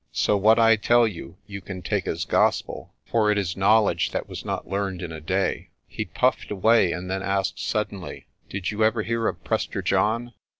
So what I tell you you can take as gospel, for it is knowledge that was not learned in a day." He puffed away, and then asked suddenly, "Did you ever hear of Prester John?'